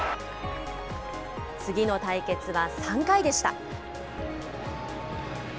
次の対決は３回でした。